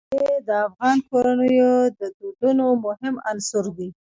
مېوې د افغان کورنیو د دودونو مهم عنصر دی.